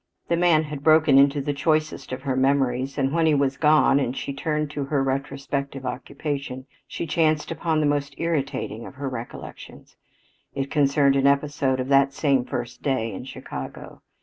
The man had broken into the choicest of her memories, and when he was gone and she returned to her retrospective occupation, she chanced upon the most irritating of her recollections. It concerned an episode of that same first day in Chicago.